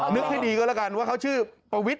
นึกให้ดีก็แล้วกันว่าเขาชื่อประวิทย